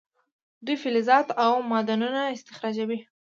دوی فلزات او معدنونه استخراجوي.